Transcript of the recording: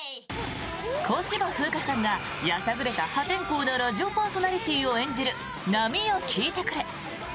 小芝風花さんがやさぐれた破天荒なラジオパーソナリティーを演じる「波よ聞いてくれ」。